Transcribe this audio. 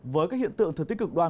với các hiện tượng thực tích cực đoan